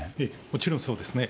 もちろんそうですね。